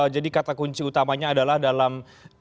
jadi kata kunci utamanya adalah dalam